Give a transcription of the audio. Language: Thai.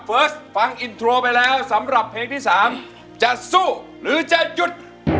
เฟิร์สฟังอินโทรไปแล้วสำหรับเพลงที่๓จะสู้หรือจะหยุด